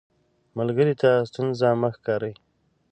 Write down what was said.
ملګری ته ستونزه مه ښکاري